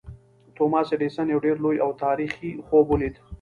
توماس ایډېسن یو ډېر لوی او تاریخي خوب ولید